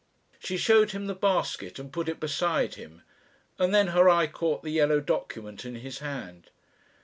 She showed him the basket and put it beside him, and then her eye caught the yellow document in his hand.